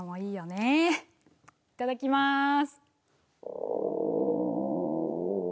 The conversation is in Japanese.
いただきます。